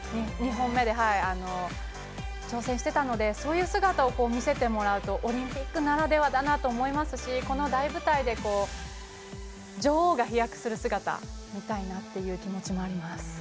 ２本目で挑戦していたのでそういう姿を見せてもらうとオリンピックならではだなと思いますしこの大舞台で女王が飛躍する姿を見たいなという気持ちもあります。